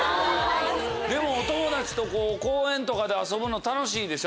でもお友達と公園とかで遊ぶの楽しいでしょ？